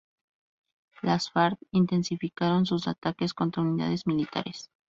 Las Farc intensificaron sus ataques contra unidades militares.